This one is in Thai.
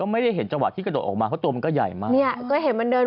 มันมีเลยกระโดดออกไปมันก็ใหญ่มาก